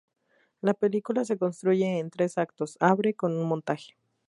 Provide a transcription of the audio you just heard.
La película se construye en tres actos, abre con un montaje.